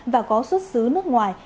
và có xuất xứ nước ngoài